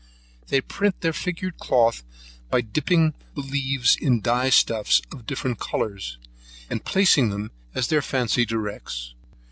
They print their figured cloth by dipping the leaves in dye stuffs of different colours, placing them as their fancy directs.